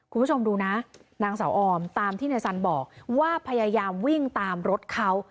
คุณผู้ชมดูนะนางสาวออมตามที่นายสันบอกว่าพยายามวิ่งตามรถเขา